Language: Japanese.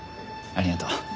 ありがとう。